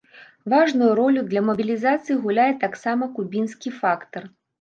Важную ролю для мабілізацыі гуляе таксама кубінскі фактар.